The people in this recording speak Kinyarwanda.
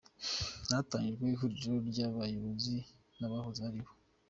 Hatangijwe ihuriro ry’ abayobozi n’ abahoze aribo.